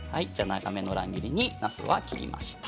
長めの乱切りに、なすを切りました。